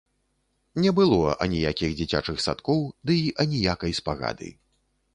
Не было аніякіх дзіцячых садкоў, дый аніякай спагады.